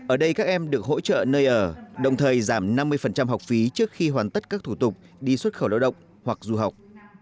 ở đây các em được hỗ trợ nơi ở đồng thời giảm năm mươi học phí trước khi hoàn tất các thủ tục đi xuất khẩu lao động hoặc du học